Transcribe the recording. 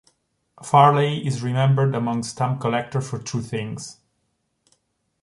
Farley is remembered among stamp collectors for two things.